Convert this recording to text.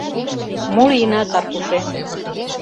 — Мо лийынат, Аркушем?